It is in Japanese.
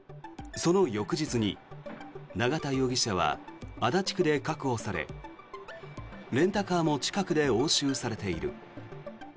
その翌日に永田容疑者は足立区で確保されレンタカーも近くで押収されている。